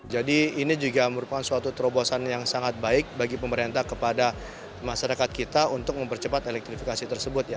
jadi ini juga merupakan suatu terobosan yang sangat baik bagi pemerintah kepada masyarakat kita untuk mempercepat elektrifikasi tersebut